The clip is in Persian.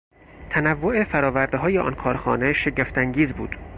تنوع فرآوردههای آن کارخانه شگفت انگیز بود.